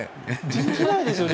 できないですよね。